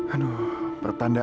aduh pertanda apa